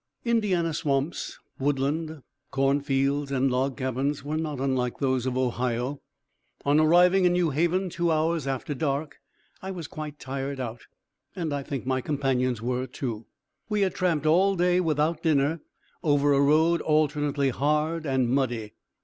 _ Indiana swamps, woodland, corn fields and log cabins were not unlike those of Ohio. On arriving in New Haven two hours after dark, I was quite tired out, and I think my companions were, too. We had tramped all day without dinner over a road alternately hard and muddy.